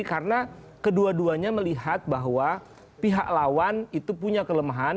karena kedua duanya melihat bahwa pihak lawan itu punya kelemahan